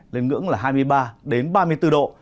lên ngưỡng là hai mươi ba ba mươi bốn độ